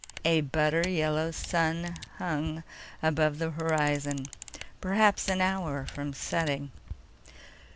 A butter yellow sun hung above the horizon, perhaps an hour from setting.